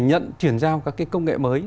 nhận chuyển giao các công nghệ mới